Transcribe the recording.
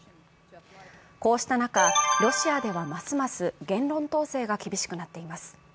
こうした中、ロシアではますます言論統制が厳しくなっています。